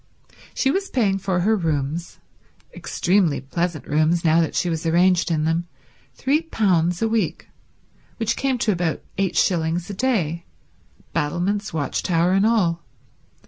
She was paying for her rooms—extremely pleasant rooms, now that she was arranged in them—£3 a week, which came to about eight shillings a day, battlements, watch tower and all.